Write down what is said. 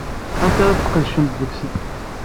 Anta ara tesqedcem deg-sent?